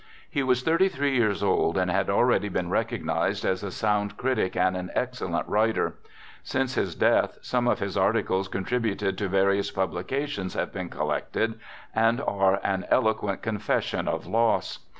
He was thirty three years old, and had already been recognized as a sound critic and an excellent writer. Since his death, some of his articles contributed to various pub lications have been collected, and are an eloquent confession of loss.